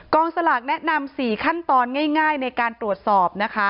กองสลักแนะนำ๔ขั้นตอนง่ายในการตรวจสอบ